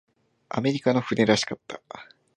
アメリカの船らしかった。